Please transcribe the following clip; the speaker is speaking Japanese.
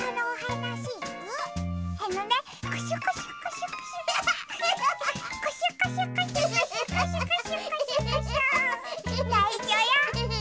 ないしょよ。